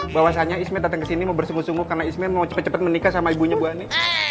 bahwasanya ismet datang kesini mau bersebut sungguh karena ismet mau cepet cepet menikah sama ibunya bu ani